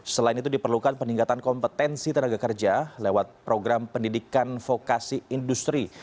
selain itu diperlukan peningkatan kompetensi tenaga kerja lewat program pendidikan vokasi industri